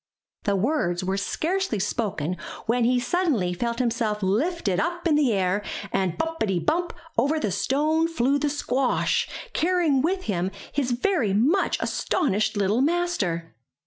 The words were scarcely spoken when he suddenly felt himself lifted up in the air, and bumpity, bump, over the stone flew the squash, carrying with him his very much astonished little master!